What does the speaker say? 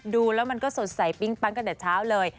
ดูแล้วมันก็สดใสปิ๊งปั๊งกันแต่เช้าเลย